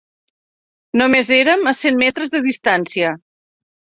Només érem a cent metres de distància